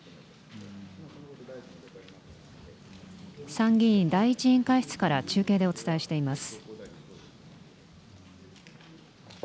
参議院第１委員会室から中継でお伝えしています。